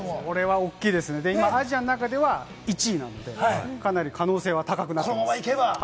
結構大きいですね、アジアの中では１位なので、かなり可能性は高くなっています。